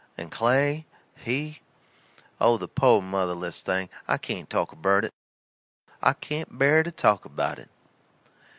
And Clay, he Oh, the po' motherless thing I cain't talk about it I cain't bear to talk about it."